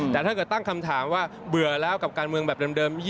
แต่ถ้าเกิดตั้งคำถามว่าเบื่อแล้วกับการเมืองแบบเดิม